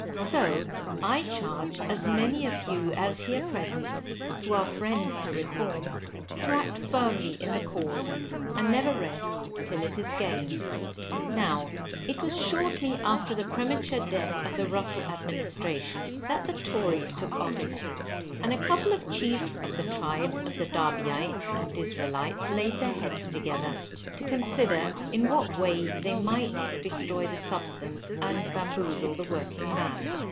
So I charge as many of you as here present, who are friends to Reform, to act firmly in the cause, and never rest till it is gained. Now, it was shortly after the premature death of the Russell administration, that the Tories took office, and a couple of chiefs of the tribes of the Derbyites and D'Israelites laid their heads together, to consider in what way they might destroy the substance, and bamboozle the working man.